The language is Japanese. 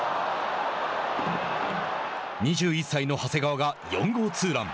２１歳の長谷川が４号ツーラン。